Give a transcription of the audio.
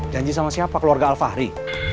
janji sama siapa keluarga alfahri